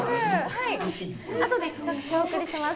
はいあとで企画書お送りします。